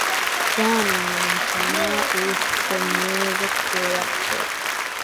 Danny Montana is the Music Director.